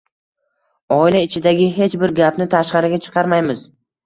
Oila ichidagi hech bir gapni tashqariga chiqarmaymiz